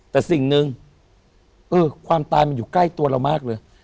แต่สิ่งหนึ่งเออความตายมันอยู่ใกล้ตัวเรามากเลย